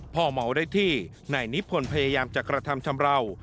เมาได้ที่นายนิพนธ์พยายามจะกระทำชำราว